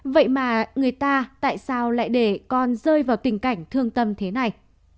vậy mà người ta tại sao lại để con rơi vào tình cảnh thương tâm thế này